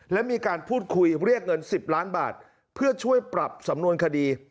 และมีการพูดคุยเรียกเงิน๑๐ล้านบาทเพื่อช่วยปรับสำนวนคดี